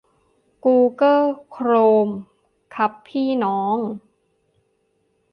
กูเก้อ โครม ! ครับพี่น้อง